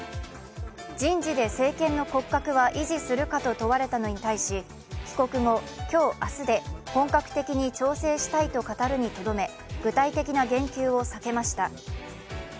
人事で政権の骨格を維持するかと問われたのに対し、帰国後、今日、明日で本格的に調整したいと語るにとどめ具体的な言及を避けました。